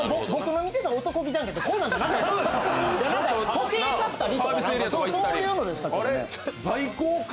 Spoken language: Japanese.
時計買ったりとかそういうのでしたけどね。